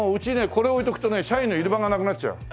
これを置いておくとね社員のいる場がなくなっちゃう。